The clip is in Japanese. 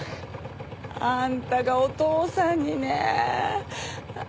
あああんたがお父さんにねえ。